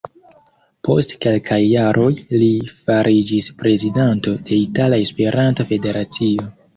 Post kelkaj jaroj, li fariĝis prezidanto de Itala Esperanto-Federacio.